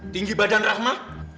tinggi badan rahma